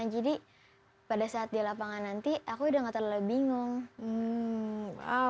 jadi pada saat di lapangan nanti aku udah gak terlalu bingung ya